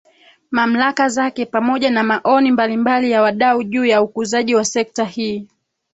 Mamlaka zake pamoja na maoni mbalimbali ya wadau juu ya ukuzaji wa sekta hii